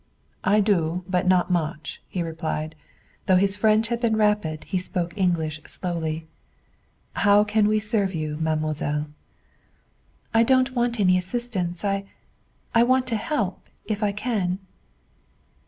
"I do; but not much," he replied. Though his French had been rapid he spoke English slowly. "How can we serve you, mademoiselle?" "I don't want any assistance. I I want to help, if I can."